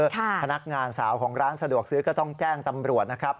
พนักงานสาวของร้านสะดวกซื้อก็ต้องแจ้งตำรวจนะครับ